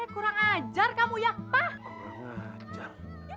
kurang ajar kamu ya pak wajar